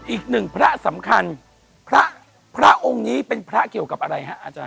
อีกหนึ่งพระสำคัญพระพระองค์นี้เป็นพระเกี่ยวกับอะไรฮะอาจารย